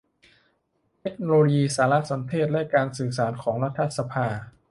เทคโนโลยีสารสนเทศและการสื่อสารของรัฐสภา